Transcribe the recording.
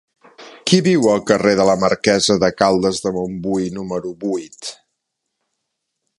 Qui viu al carrer de la Marquesa de Caldes de Montbui número vuit?